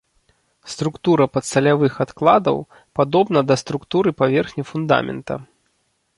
Структура падсалявых адкладаў падобна да структуры паверхні фундамента.